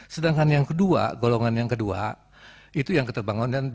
sedangkan yang kedua golongan yang kedua itu yang keterbangun